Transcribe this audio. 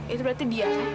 itu berarti dia kan